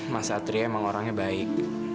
mas satria emang orangnya baik